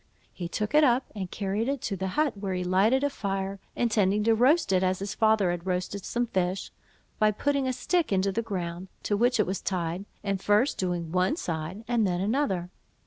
He took it up and carried it to the hut, where he lighted a fire, intending to roast it as his father had roasted some fish, by putting a stick into the ground, to which it was tied, and first doing one side and then another.